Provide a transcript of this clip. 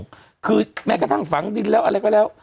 คือแม้กระทั่งฝังดินแล้วอะไรก็แล้ว